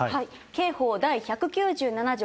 刑法第１９７条